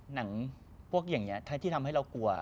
หนังพวกอย่างนี้ที่ทำให้เรากลัว